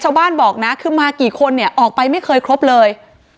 ชาวบ้านบอกนะคือมากี่คนเนี่ยออกไปไม่เคยครบเลย